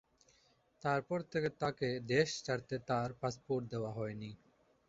তারপর থেকে তাকে দেশ ছাড়তে তার পাসপোর্ট দেওয়া হয়নি।